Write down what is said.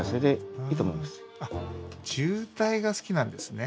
渋滞が好きなんですね。